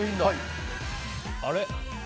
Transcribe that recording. あれ？